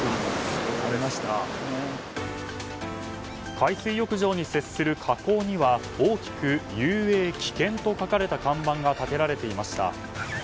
海水浴場に接する河口には大きく「遊泳危険」と書かれた看板が立てられていました。